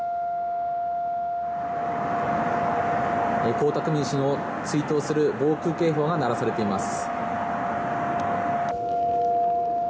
江沢民氏を追悼する防空警報が鳴らされています。